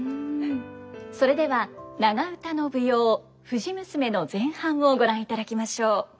それでは長唄の舞踊「藤娘」の前半をご覧いただきましょう。